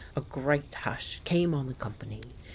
A great hush came on the company.